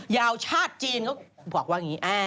ยาวชาติจีนเขาบอกว่าอย่างนี้